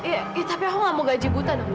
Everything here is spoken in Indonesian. iya tapi aku gak mau gaji buta dong